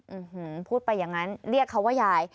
พูดไปอย่างนั้นเรียกเขาว่ายาย